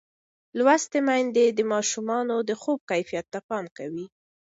لوستې میندې د ماشومانو د خوب کیفیت ته پام کوي.